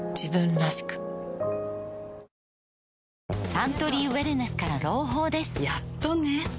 サントリーウエルネスから朗報ですやっとね